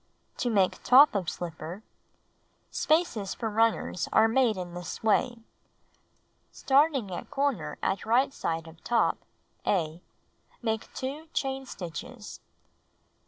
To Make Top of Slipper Spaces for runners are made in this way: Starting* at corner at right side of top (A), make 2 chain stitches.